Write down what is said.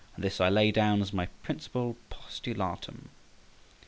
And this I lay down as my principal postulatum.